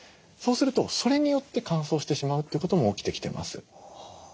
そうするとそれによって乾燥してしまうということも起きてきてます。